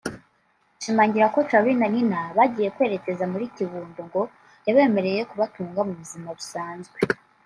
ashimangira ko Charly na Nina bagiye kwerekeza muri Kiwundo ngo yabemereye kubatunga mu buzima busanzwe